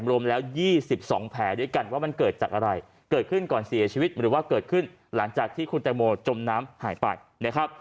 รวมแล้ว๒๒แผลด้วยกันว่ามันเกิดจากอะไรเกิดขึ้นก่อนเสียชีวิตหรือว่าเกิดขึ้นหลังจากที่คุณแตงโมจมน้ำหายไปนะครับ